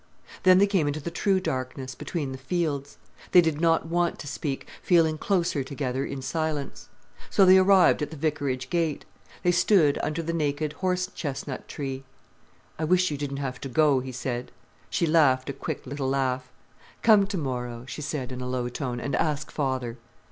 Then they came into the true darkness, between the fields. They did not want to speak, feeling closer together in silence. So they arrived at the Vicarage gate. They stood under the naked horse chestnut tree. "I wish you didn't have to go," he said. She laughed a quick little laugh. "Come tomorrow," she said, in a low tone, "and ask father."